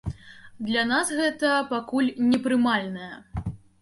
Для нас гэта пакуль непрымальнае.